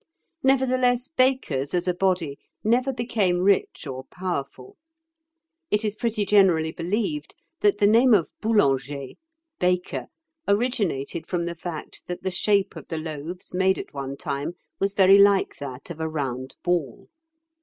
Nevertheless bakers as a body never became rich or powerful (Figs. 76 and 77). It is pretty generally believed that the name of boulanger (baker) originated from the fact that the shape of the loaves made at one time was very like that of a round ball.